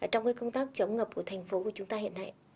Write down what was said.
trong công tác chống ngập của thành phố của chúng ta hiện nay